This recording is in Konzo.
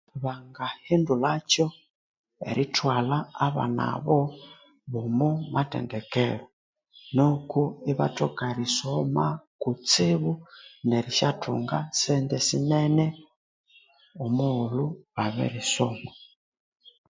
Bakahindulhakyo erithwalha abana abo bomu amathendekero nuku ibathoka erisoma kutsibu neri syathunga sente sinene omughulhu babirisoma